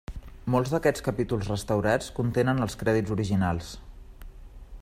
Molts d'aquests capítols restaurats contenen els crèdits originals.